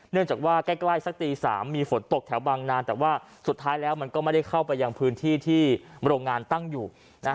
เนื่องจากว่าใกล้สักตี๓มีฝนตกแถวบางนานแต่ว่าสุดท้ายแล้วมันก็ไม่ได้เข้าไปยังพื้นที่ที่โรงงานตั้งอยู่